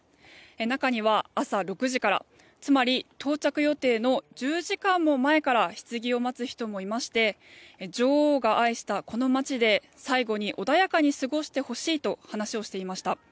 中には朝６時から、つまり到着予定の１０時間も前からひつぎを待つ人もいまして女王が愛したこの街で最後に穏やかに過ごしてほしいと話をしていました。